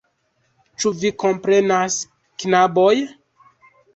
Ĉu vi komprenas, knaboj?